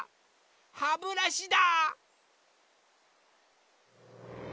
ハブラシだ！